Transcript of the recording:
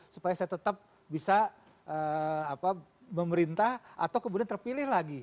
supaya saya tetap bisa memerintah atau kemudian terpilih lagi